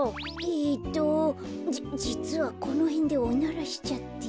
えっとじじつはこのへんでおならしちゃって。